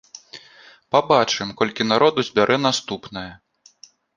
Пабачым, колькі народу збярэ наступная.